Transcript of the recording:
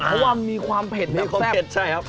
เพราะว่ามีความเผ็ดไม่แซ่บ